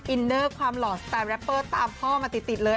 อินเนอร์ความหล่อสไตล์แรปเปอร์ตามพ่อมาติดเลย